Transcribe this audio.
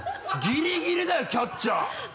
ギリギリだよキャッチャー！